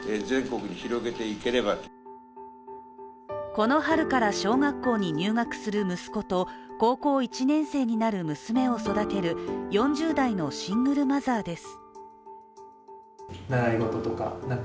この春から小学校に入学する息子と高校１年生になる娘を育てる４０代のシングルマザーです。